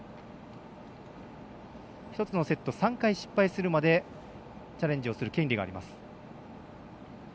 １つのセット３回失敗するまでチャレンジをする権利が与えられます。